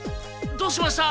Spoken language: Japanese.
どうしました？